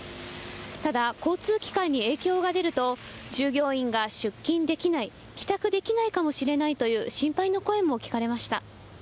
ただ、交通機関に影響が出ると、従業員が出勤できない、帰宅できないかもしれないという心配の声も聞かれました。